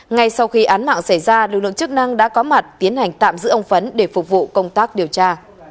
ngay sau khi án mạng xảy ra lực lượng chức năng đã có mặt tiến hành tạm giữ ông phấn để phục vụ công tác điều tra